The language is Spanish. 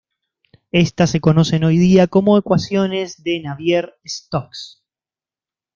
Estas se conocen hoy día como ecuaciones de Navier-Stokes.